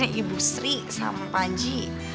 eh ibu sri sama panji